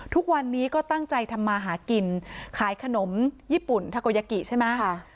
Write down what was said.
ทุกวันนี้ก็ตั้งใจทำมาหากินขายขนมญี่ปุ่นทาโกยากิใช่ไหม